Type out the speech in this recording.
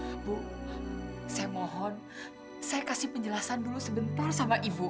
ibu saya mohon saya kasih penjelasan dulu sebentar sama ibu